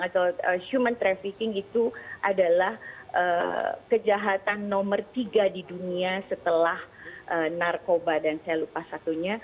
kalau kita tahu bahwa penjualan orang atau human trafficking itu adalah kejahatan nomor tiga di dunia setelah narkoba dan saya lupa satunya